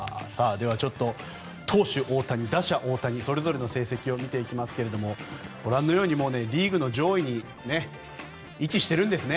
では投手・大谷、打者・大谷それぞれの成績を見ていきますがご覧のようにリーグの上位に位置しているんですね。